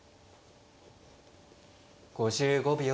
５５秒。